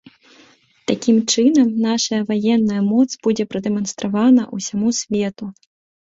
Такім чынам, нашая ваенная моц будзе прадэманстравана ўсяму свету.